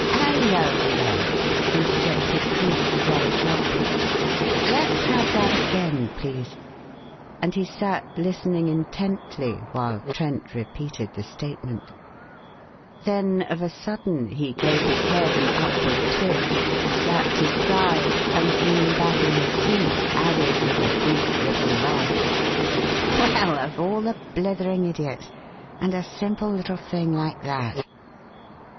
"Hallo! Hallo!" interjected Cleek rather sharply. "Let's have that again, please!" and he sat listening intently while Trent repeated the statement; then, of a sudden, he gave his head an upward twitch, slapped his thigh, and, leaning back in his seat, added with a brief little laugh, "Well, of all the blithering idiots! And a simple little thing like that!"